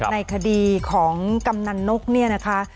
ในคดีของกำนันนก